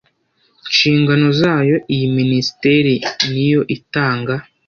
nshingano zayo Iyi Minisiteri niyo itanga